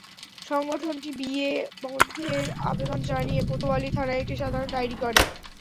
সংগঠনটি বিয়ে বন্ধের আবেদন জানিয়ে কোতোয়ালি থানায় একটি সাধারণ ডায়েরি করে।